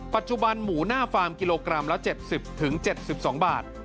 ปัจจุบันหมูหน้าฟาร์มกิโลกรัมละ๗๐๗๒บาท